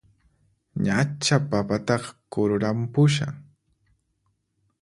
Ñachá papataqa kururanpushan!